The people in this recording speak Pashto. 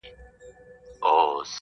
قهر د شینکي اسمان ګوره چي لا څه کیږي-